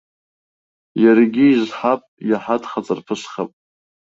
Иаргьы изҳап, иаҳа дхаҵарԥысхап.